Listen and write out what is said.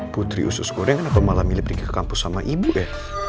putri usus goreng kenapa malah milih pergi ke kampus sama ibu eh